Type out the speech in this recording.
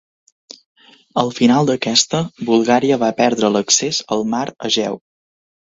Al final d'aquesta, Bulgària va perdre l'accés al Mar Egeu.